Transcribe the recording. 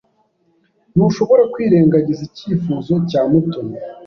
Ntushobora kwirengagiza icyifuzo cya Mutoni.